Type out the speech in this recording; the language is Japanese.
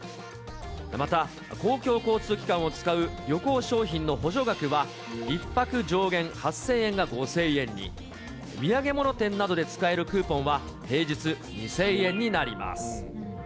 また公共交通機関を使う旅行商品の補助額は、１泊上限８０００円が５０００円に、土産物店などで使えるクーポンは、平日２０００円になります。